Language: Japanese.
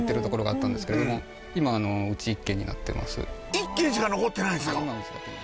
１軒しか残ってないんですか？